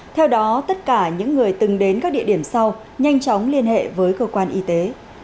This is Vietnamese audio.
theo đó tất cả những người từng đến các địa điểm sau nhanh chóng liên hệ với cơ quan y tế